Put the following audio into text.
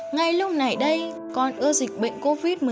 ngay tại lúc này đây con ưa dịch bệnh covid một mươi chín qua nhanh